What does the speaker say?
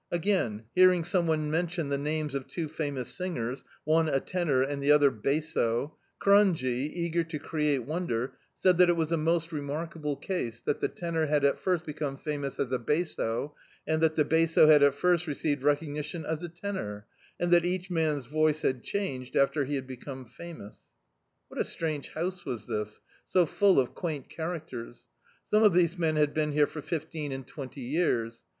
Again: hearing some oat mention the names of tvo famous singers, cwie a tenor and the other basso, Cronje, eager to create wonder, said that it was a most remarkable case that the tenor had at first bemme famous as a basso, and that the basso had at first received recognitiCKi as a tenor, and that each man's voice had changed after he had be come famous. AVhat a strange house was this, so full of quaint characters. Some of these men had been here for fifteen, and twenty years.